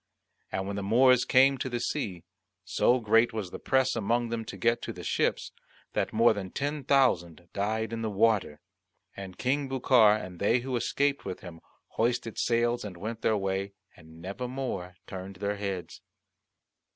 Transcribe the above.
And when the Moors came to the sea, so great was the press among them to get to the ships, that more than ten thousand died in the water. And King Bucar and they who escaped with him hoisted sails and went their way, and never more turned their heads.